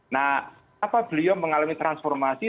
nah apa beliau mengalami transformasi